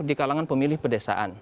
di kalangan pemilih perdesaan